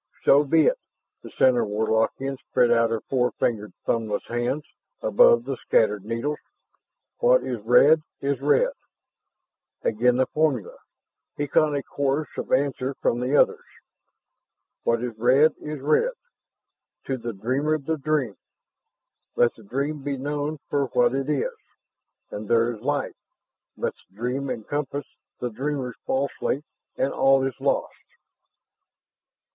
"So be it." The center Warlockian spread out her four fingered thumbless hands above the scattered needles. "What is read, is read." Again a formula. He caught a chorus of answer from the others. "What is read, is read. To the dreamer the dream. Let the dream be known for what it is, and there is life. Let the dream encompass the dreamer falsely, and all is lost."